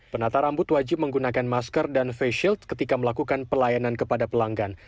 penata rambut wajib menggunakan masker dan face shield ketika melakukan pelayanan kepada pelanggan